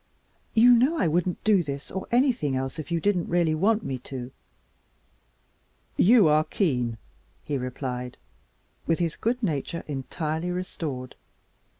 "You know I wouldn't do this or anything else if you really didn't want me to." "You are keen," he replied, with his good nature entirely restored.